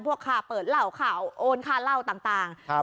พวกขาเปิดเหล่าข่าวโอนค่าเหล่าต่าง